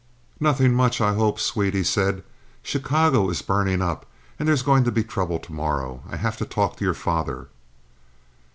"Nothing much, I hope, sweet," he said. "Chicago is burning up and there's going to be trouble to morrow. I have to talk to your father."